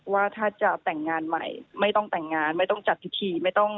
ว่าถ้าจะแต่งงานใหม่ไม่ต้องแต่งงานไม่ต้องจัดพิธีไม่ต้อง